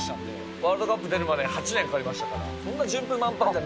ワールドカップ出るまで８年かかりましたから。